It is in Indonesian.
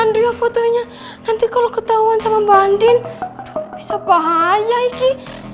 dia fotonya nanti kalau ketahuan sama mbak andin bisa bahaya iki